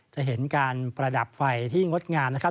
จะเห็นการประดับไฟที่งดงามนะครับ